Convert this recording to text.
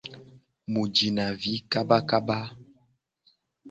Mu jina vi kabakaba.